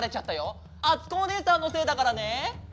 あつこおねえさんのせいだからね。